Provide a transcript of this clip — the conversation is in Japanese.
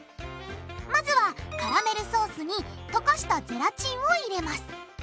まずはカラメルソースに溶かしたゼラチンを入れます。